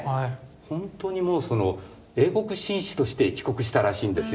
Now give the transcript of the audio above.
ほんとにもうその英国紳士として帰国したらしいんですよ。